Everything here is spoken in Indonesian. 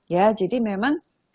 ya jadi memang